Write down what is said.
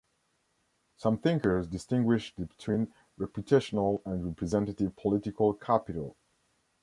Some thinkers distinguish between reputational and representative political capital.